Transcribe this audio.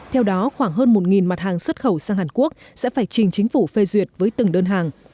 theo đó khoảng hơn một mặt hàng xuất khẩu sang hàn quốc sẽ phải trình chính phủ phê duyệt với từng đơn hàng